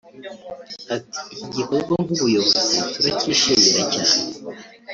Ati “Iki gikorwa nk’ubuyobozi turacyishimira cyane